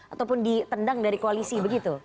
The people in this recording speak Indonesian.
ataupun ditendang dari koalisi begitu